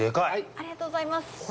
ありがとうございます！